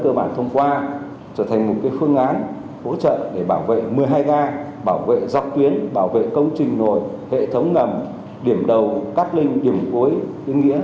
chúng tôi đã thông qua trở thành một phương án hỗ trợ để bảo vệ một mươi hai ga bảo vệ dọc tuyến bảo vệ công trình nồi hệ thống ngầm điểm đầu cắt linh điểm cuối yên nghĩa